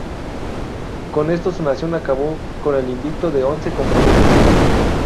Con esto su nación acabó con el invicto de once compromisos sin perder.